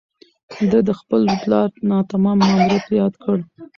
ده د خپل پلار ناتمام ماموریت یاد کړ.